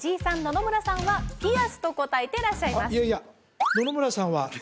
野々村さん「ピヤス」と答えてらっしゃいます